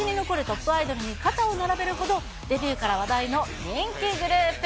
歴史に残るトップアイドルに肩を並べるほどデビューから話題の人気グループ。